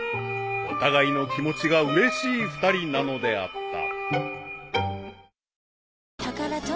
［お互いの気持ちがうれしい二人なのであった］